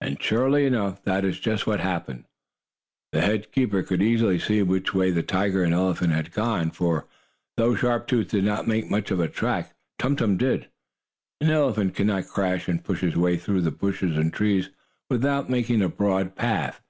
And, surely enough, that is just what happened. The head keeper could easily see which way the tiger and elephant had gone, for, though Sharp Tooth did not make much of a track, Tum Tum did. An elephant cannot crash and push his way through the bushes and trees without making a broad path.